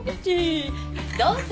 どうぞ。